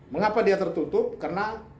mengapa dia tertutup karena